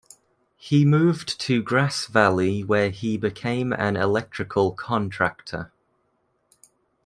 He moved to Grass Valley where he became an electrical contractor.